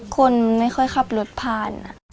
คนไม่ค่อยขับรถผ่าน